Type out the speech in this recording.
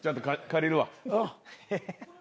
借りるわ。